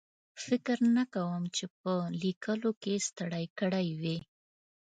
فکر نه کوم چې په لیکلو کې ستړی کړی وي.